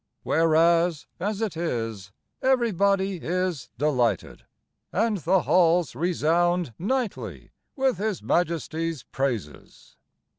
Whereas as it is Everybody is delighted, And the Halls resound nightly with his Majesty's praises.